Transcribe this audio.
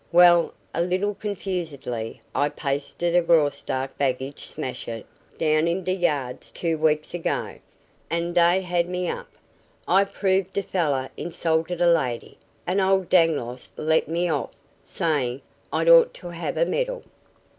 "Well," a little confusedly, "I pasted a Graustark baggage smasher down in d' yards two weeks ago, an' dey had me up. I proved d' feller insulted a lady, an' old Dangloss let me off, sayin' I'd ought to have a medal.